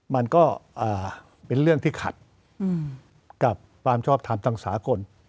มันก็เป็นเรื่องที่ขัดกับความชอบทำทางสากล